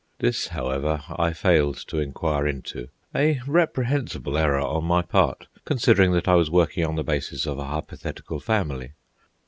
This, however, I failed to inquire into—a reprehensible error on my part, considering that I was working on the basis of a hypothetical family.